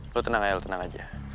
lo tenang aja lo tenang aja